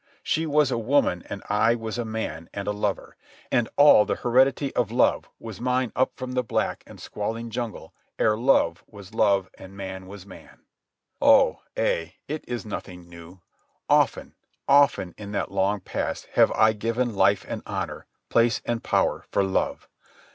She was a woman and I was a man and a lover, and all the heredity of love was mine up from the black and squalling jungle ere love was love and man was man. Oh, ay, it is nothing new. Often, often, in that long past have I given life and honour, place and power for love.